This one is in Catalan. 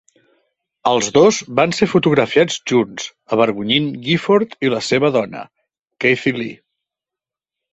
Els dos van ser fotografiats junts, avergonyint Gifford i la seva dona, Kathie Lee.